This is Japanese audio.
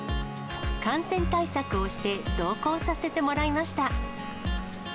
感染対策をして同行させてもらいました。